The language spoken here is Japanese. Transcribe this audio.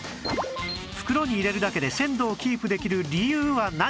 袋に入れるだけで鮮度をキープできる理由は何？